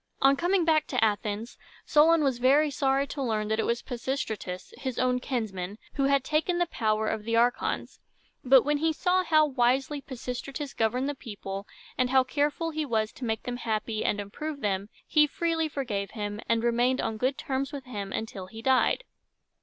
On coming back to Athens, Solon was very sorry to learn that it was Pisistratus, his own kinsman, who had taken the power of the archons; but when he saw how wisely Pisistratus governed the people, and how careful he was to make them happy and improve them, he freely forgave him, and remained on good terms with him until he died.